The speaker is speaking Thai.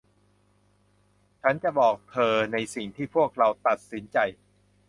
ฉันจะบอกเธอในสิ่งที่พวกเราตัดสินใจ